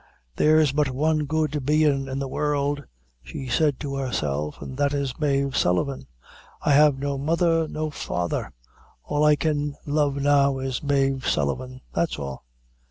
"There's but one good bein' in the world," she said to herself, "an' that is Mave Sullivan: I have no mother, no father all I can love now is Mave Sullivan that's all."